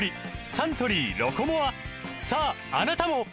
サントリー「ロコモア」さああなたも！